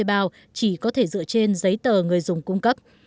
cơ sở dữ liệu dân cư chỉ có thể dựa trên giấy tờ người dùng cung cấp